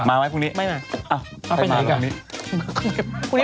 มาไหมพรุ่งนี้